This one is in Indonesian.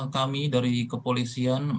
kami dari kepolisian